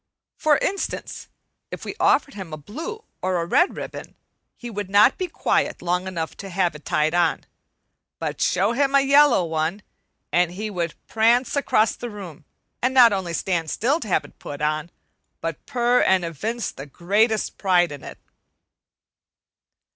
For instance, if we offered him a blue or a red ribbon, he would not be quiet long enough to have it tied on; but show him a yellow one, and he would prance across the room, and not only stand still to have it put on, but purr and evince the greatest pride in it.